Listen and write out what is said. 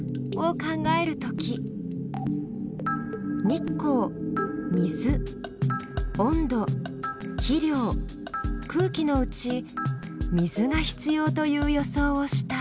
日光水温度肥料空気のうち水が必要という予想をした。